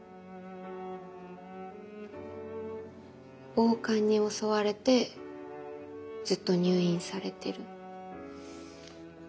暴漢に襲われてずっと入院されてる？